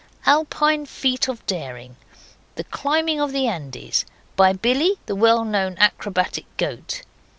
Alpine feat of daring. The climbing of the Andes, by Billy, the well known acrobatic goat.